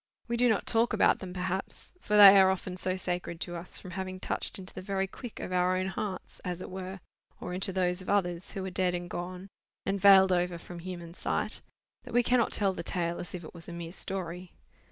We do not talk about them, perhaps; for they are often so sacred to us, from having touched into the very quick of our own hearts, as it were, or into those of others who are dead and gone, and veiled over from human sight, that we cannot tell the tale as if it was a mere story.